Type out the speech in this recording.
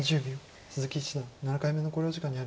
鈴木七段７回目の考慮時間に入りました。